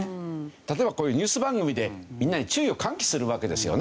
例えばこういうニュース番組でみんなに注意を喚起するわけですよね。